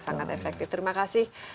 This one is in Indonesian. sangat efektif terima kasih